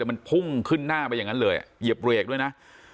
มันพุ่งขึ้นหน้าไปอย่างนั้นเลยเหยียบเบรกด้วยนะ